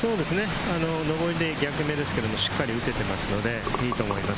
上りで逆目ですけれど、しっかり打てているのでいいと思います。